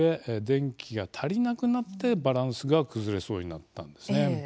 電気が足りなくなってバランスが崩れそうになったんですね。